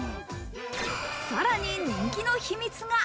さらに人気の秘密が。